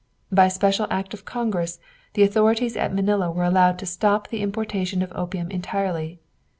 By special act of Congress the authorities at Manila were allowed to stop the importation of opium entirely.